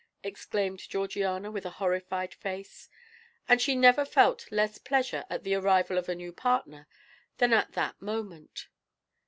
exclaimed Georgiana, with a horrified face; and she never felt less pleasure at the arrival of a new partner than at that moment.